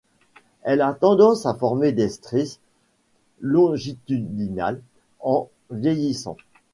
Elle a tendance à former des stries longitudinales en vieillissant.